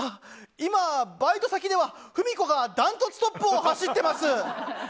今、バイト先ではフミコがダントツトップを走ってます！